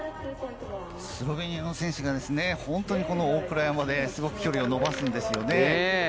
スロベニアの選手が本当に大倉山ですごく飛距離を伸ばすんですよね。